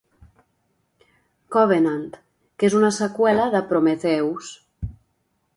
Covenant, que és una seqüela de Prometheus.